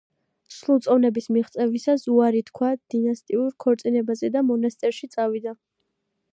სრულწლოვნების მიღწევისას უარი თქვა დინასტიურ ქორწინებაზე და მონასტერში წავიდა.